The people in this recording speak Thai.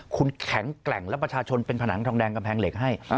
คุณแข็งแกร่งและประชาชนเป็นผนังทองแดงกำแพงเหล็กให้